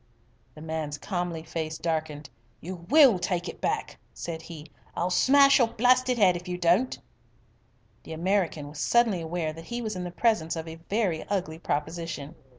The man's comely face darkened. "You will take it back," said he. "I'll smash your blasted head if you don't." The American was suddenly aware that he was in the presence of a very ugly proposition.